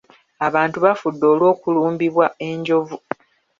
Abantu bafudde olw'okulumbibwa enjovu.